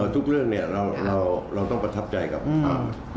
ทุกเรื่องเราต้องประทับใจกับค่ะ